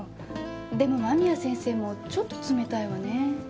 でも間宮先生もちょっと冷たいわね。